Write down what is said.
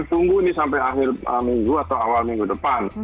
tunggu ini sampai akhir minggu atau awal minggu depan